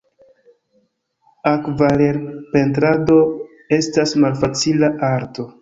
Akvarelpentrado estas malfacila arto.